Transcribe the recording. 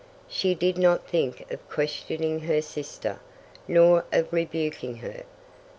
She did not think of questioning her sister, nor of rebuking her.